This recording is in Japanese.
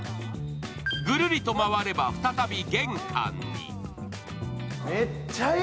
ぐるりと回れば、再び玄関に。